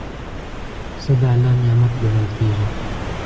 پسه د الله نعمت ګڼل کېږي.